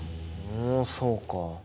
おそうか。